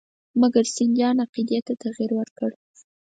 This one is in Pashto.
مګر سیندهیا عقیدې ته تغیر ورکړ.